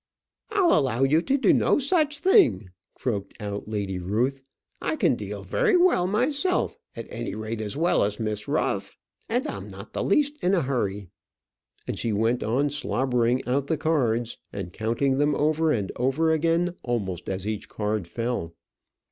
"I'll allow you to do no such thing," croaked out Lady Ruth. "I can deal very well myself; at any rate as well as Miss Ruff. And I'm not the least in a hurry;" and she went on slobbering out the cards, and counting them over and over again, almost as each card fell.